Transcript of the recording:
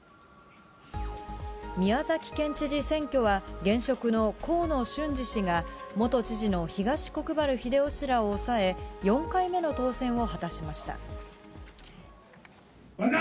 宮崎県知事選挙は、現職の河野俊嗣氏が元知事の東国原英夫氏らを抑え、４回目の当選万歳。